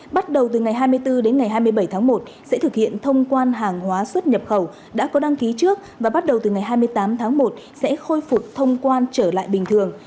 bắt đầu từ ngày hai mươi bốn đến ngày hai mươi bảy tháng một sẽ thực hiện thông quan hàng hóa xuất nhập khẩu đã có đăng ký trước và bắt đầu từ ngày hai mươi tám tháng một sẽ khôi phục thông quan trở lại bình thường